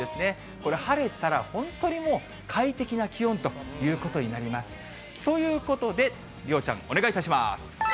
これ、晴れたら本当にもう快適な気温ということになります。ということで、梨央ちゃん、お願いいたします。